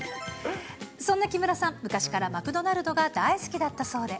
そんな木村さん、昔からマクドナルドが大好きだったそうで。